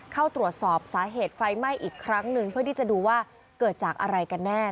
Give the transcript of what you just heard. เข้าตรวจสอบสาเหตุไฟไหม้อีกครั้งหนึ่งเพื่อที่จะดูว่าเกิดจากอะไรกันแน่